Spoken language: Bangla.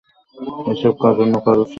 এসব কাজ অন্য কারো সাথে গিয়ে করো।